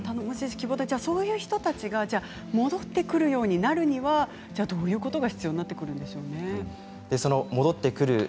そういう人たちが戻ってくるようになるにはどういうことが必要になってくるんでしょう。